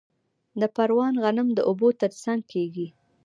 د پروان غنم د اوبو ترڅنګ کیږي.